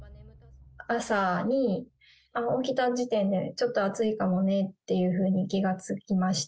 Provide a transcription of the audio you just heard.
朝に起きた時点で、ちょっと熱いかもねっていうふうに気が付きました。